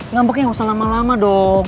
ngambek ya gak usah lama lama dong